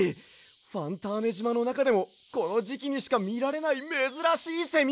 ファンターネじまのなかでもこのじきにしかみられないめずらしいセミ！